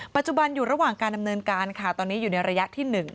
ปัจจุบันอยู่ระหว่างการดำเนินการค่ะตอนนี้อยู่ในระยะที่๑